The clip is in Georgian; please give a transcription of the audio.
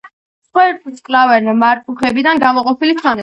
მსხვერპლს კლავენ მარწუხებიდან გამოყოფილი შხამით.